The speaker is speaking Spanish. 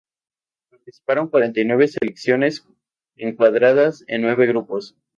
Participaron cuarenta y nueve selecciones encuadradas en en nueve grupos.